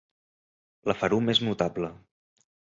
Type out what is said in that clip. La ferum és notable.